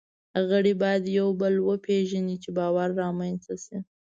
غړي باید یو بل وپېژني، چې باور رامنځ ته شي.